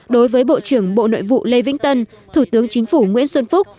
đối với bộ trưởng bộ nội vụ lê vĩnh tân thủ tướng chính phủ nguyễn xuân phúc